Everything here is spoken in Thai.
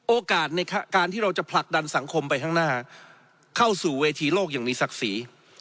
โอกาสในการที่เราจะผลักดันสังคมไปข้างหน้าเข้าสู่เวทีโลกอย่างมีศักดิ์ศรี